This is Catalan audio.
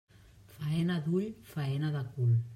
Faena d'ull, faena de cul.